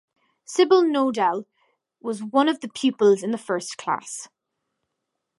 Sybil Nordal was one of the pupils in the first class.